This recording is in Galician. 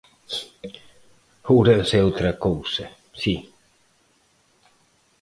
Ourense é outra cousa, si!